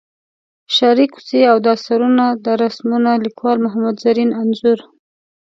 شاړې کوڅې او دا سرونه دا رسمونه ـ لیکوال محمد زرین انځور.